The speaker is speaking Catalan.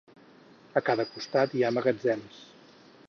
A cada costat hi ha magatzems.